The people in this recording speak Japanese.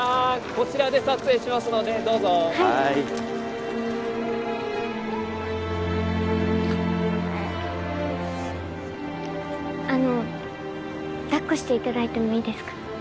こちらで撮影しますのでどうぞはいはーいあの抱っこしていただいてもいいですか？